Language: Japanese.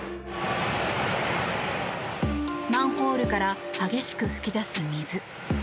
マンホールから激しく噴き出す水。